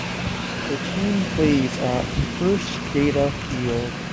The team plays at First Data Field.